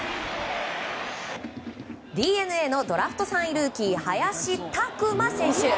ＤｅＮＡのドラフト３位ルーキー林琢真選手。